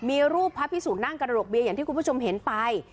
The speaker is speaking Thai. มีรูปพระพิสุนั่งกระโดกเบียอย่างที่คุณผู้ชมเห็นไป